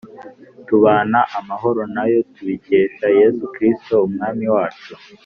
tubana amahoro na yo tubikesha yezu kristo umwami wacu”